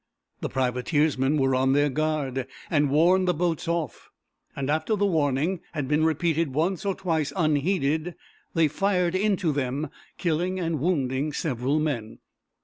The privateersmen were on their guard, and warned the boats off, and after the warning had been repeated once or twice unheeded, they fired into them, killing and wounding several men.